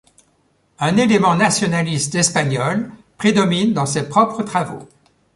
Un élément nationaliste espagnol prédomine dans ses propres travaux.